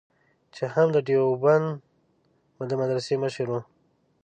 چې هم د دیوبند د مدرسې مشر و.